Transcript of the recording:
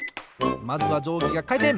まずはじょうぎがかいてん！